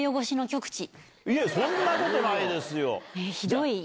そんなことないですよ！